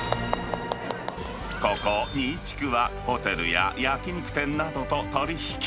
ここ、ニイチクは、ホテルや焼き肉店などと取り引き。